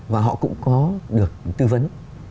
và họ cũng có được tư vấn